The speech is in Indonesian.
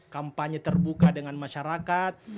kampanye terbuka dengan masyarakat